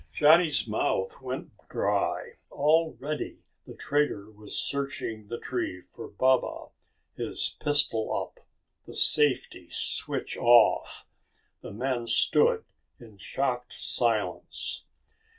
Johnny's mouth went dry. Already the trader was searching the tree for Baba, his pistol up, the safety switch off. The men stood in shocked silence.